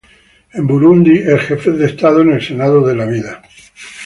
En Burundi, ex jefes de Estado en el Senado de la vida.